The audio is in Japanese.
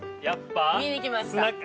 見に来ました